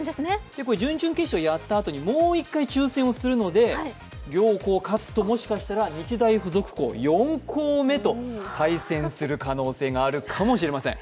準々決勝やったあとにもう一回抽選するので両校勝つと、もしかしたら日大付属校４校目と対戦する可能性があるかもしれません。